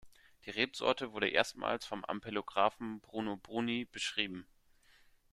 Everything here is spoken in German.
Die Rebsorte wurde erstmals vom Ampelographen Bruno Bruni beschrieben.